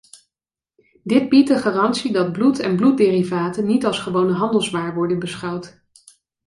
Dit biedt de garantie dat bloed en bloedderivaten niet als gewone handelswaar worden beschouwd.